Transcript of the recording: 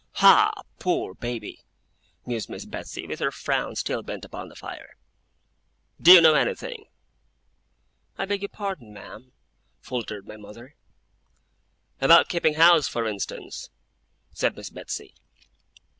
'Ha! Poor Baby!' mused Miss Betsey, with her frown still bent upon the fire. 'Do you know anything?' 'I beg your pardon, ma'am,' faltered my mother. 'About keeping house, for instance,' said Miss Betsey.